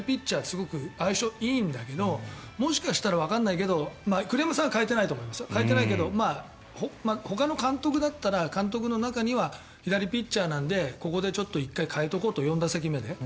すごく相性いいんだけどもしかしたら、わからないけど栗山さんは代えていないですがほかの監督だったら監督の中には左ピッチャーなのでここで１回代えておこうと４打席目で。